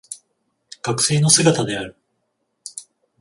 学生の姿である